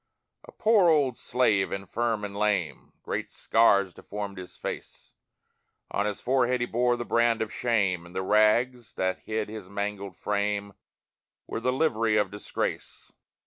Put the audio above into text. A poor old slave, infirm and lame; Great scars deformed his face; On his forehead he bore the brand of shame, And the rags, that hid his mangled frame, Were the livery of disgrace.